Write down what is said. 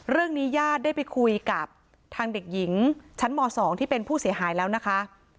ญาติได้ไปคุยกับทางเด็กหญิงชั้นม๒ที่เป็นผู้เสียหายแล้วนะคะ